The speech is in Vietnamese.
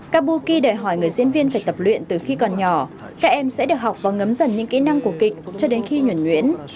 kabuki đòi hỏi người diễn viên phải tập luyện từ khi còn nhỏ các em sẽ được học và ngấm dần những kỹ năng của kịch cho đến khi nhuẩn nhuyễn